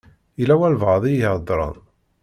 Yella walebɛaḍ i iheddṛen.